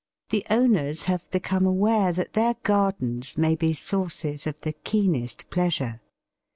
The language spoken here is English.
The owners have become aware that their gardens may be sources of the keenest pleasure.